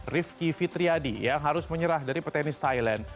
rifki fitriadi yang harus menyerah dari petenis thailand